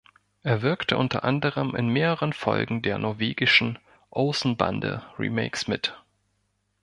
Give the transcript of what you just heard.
Er wirkte unter anderem in mehreren Folgen der norwegischen "Olsenbande"-Remakes mit.